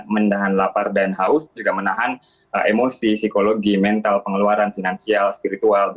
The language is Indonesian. menahan lapar dan haus juga menahan emosi psikologi mental pengeluaran finansial spiritual